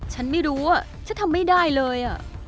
ผมไม่รู้ทำไม่ได้เลย